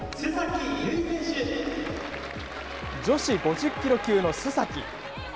女子５０キロ級の須崎。